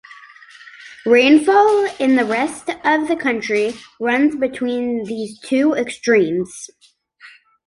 Rainfall in the rest of the country runs between these two extremes.